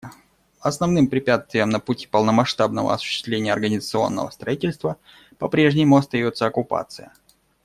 Основным препятствием на пути полномасштабного осуществления организационного строительства по-прежнему остается оккупация.